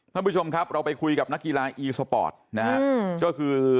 ท่านผู้ชมครับเราไปคุยกับนักอีสปอร์ตนะครับ